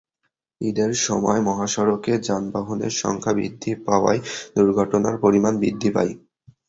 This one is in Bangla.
ঈদের সময় মহাসড়কে যানবাহনের সংখ্যা বৃদ্ধি পাওয়ায় দুর্ঘটনার পরিমাণ বৃদ্ধি পায়।